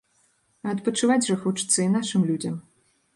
А адпачываць жа хочацца і нашым людзям.